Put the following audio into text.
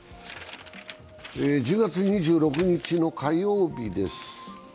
１０月２６日の火曜日です。